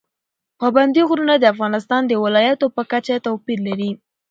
پابندي غرونه د افغانستان د ولایاتو په کچه توپیر لري.